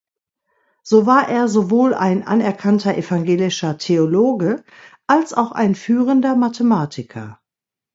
So war er sowohl ein anerkannter evangelischer Theologe als auch ein führender Mathematiker.